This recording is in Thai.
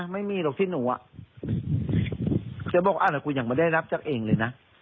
ไม่มีหรอกที่หนูอ่ะแกบอกอะไรกูยังไม่ได้รับจากเองเลยนะ